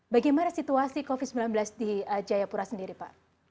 bagaimana situasi covid sembilan belas di jayapura sendiri pak